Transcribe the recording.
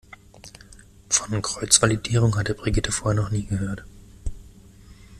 Von Kreuzvalidierung hatte Brigitte vorher noch nie gehört.